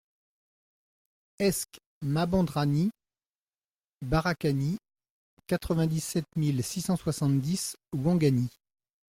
ESC MABANDRANI BARAKANI, quatre-vingt-dix-sept mille six cent soixante-dix Ouangani